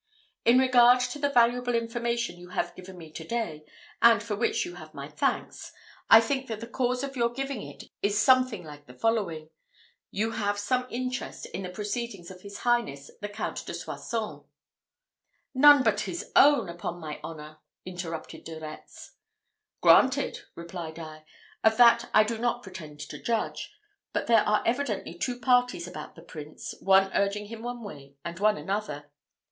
"In regard to the valuable information you have given me to day, and for which you have my thanks, I think that the cause of your giving it is something like the following: you have some interest in the proceedings of his highness the Count de Soissons." "None but his own, upon my honour," interrupted De Retz. "Granted!" replied I. "Of that I do not pretend to judge; but there are evidently two parties about the prince, one urging him one way, and one another.